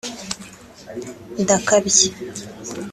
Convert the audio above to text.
‘Ndakabya’